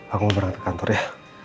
aku berangkat ke kantor ya